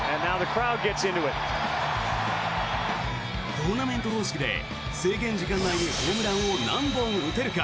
トーナメント方式で制限時間内にホームランを何本打てるか。